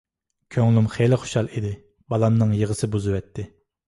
كۆڭلۈم خېلى خۇشال ئىدى، بالامنىڭ يىغىسى بۇزۇۋەتتى.